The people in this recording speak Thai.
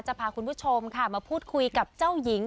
จะพาคุณผู้ชมค่ะมาพูดคุยกับเจ้าหญิง